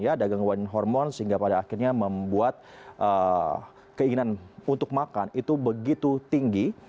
ada gangguan hormon sehingga pada akhirnya membuat keinginan untuk makan itu begitu tinggi